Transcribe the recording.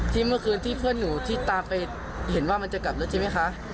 เมื่อคืนที่เพื่อนหนูที่ตามไปเห็นว่ามันจะกลับรถใช่ไหมคะ